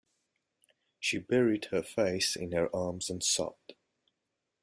She buried her face in her arms and sobbed.